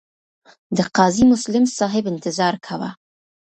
د قاضي مسلم صاحب انتظار کاوه.